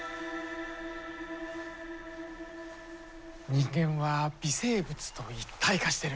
人間は微生物と一体化してる。